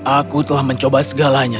aku telah mencoba segalanya